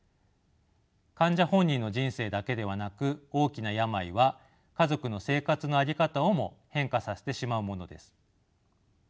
患者本人の人生だけではなく大きな病は家族の生活の在り方をも変化させてしまうものです。